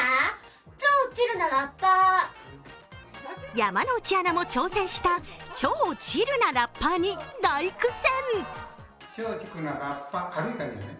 山内アナも挑戦した超チルなラッパーに大苦戦。